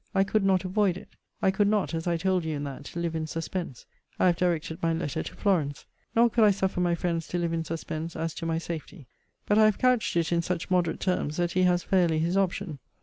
I could not avoid it. I could not (as I told you in that) live in suspense. I have directed my letter to Florence. Nor could I suffer my friends to live in suspense as to my safety. But I have couched it in such moderate terms, that he has fairly his option.